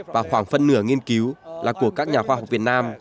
và khoảng phân nửa nghiên cứu là của các nhà khoa học việt nam